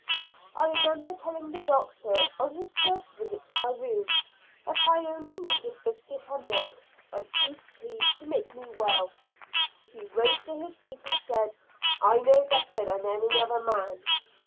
I remember telling the Doctor, on his first visit to my room, that I only needed biscuit and milk and beef tea to make me well. He rose to his feet and said, "I know better than any other man."